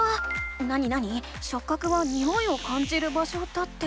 なになに「しょっ角はにおいを感じる場所」だって。